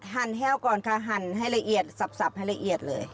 ั่นแห้วก่อนค่ะหั่นให้ละเอียดสับให้ละเอียดเลย